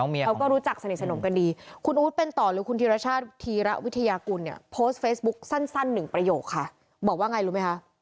พี่แไม่ครับน้องเมียของอู๋